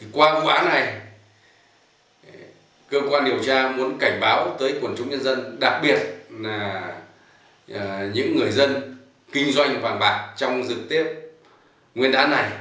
qua vụ án này cơ quan điều tra muốn cảnh báo tới quần chúng nhân dân đặc biệt là những người dân kinh doanh hoàn bạc trong dự tiếp nguyên án này